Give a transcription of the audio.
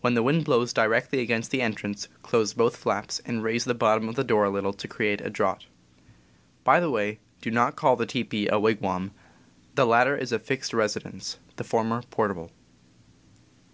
When the wind blows directly against the entrance, close both flaps, and raise the bottom of the door cover a little to Fig. 4. create a draught. By the way, do not call the teepee a wigwam; the latter is a fixed residence, the former portable.